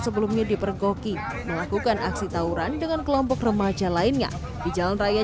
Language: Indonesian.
sebelumnya dipergoki melakukan aksi tawuran dengan kelompok remaja lainnya di jalan raya